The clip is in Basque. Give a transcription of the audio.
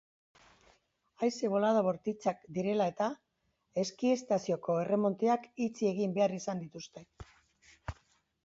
Haize bolada bortitzak direla-eta, eski estazioko erremonteak itxi egin behar izan dituzte.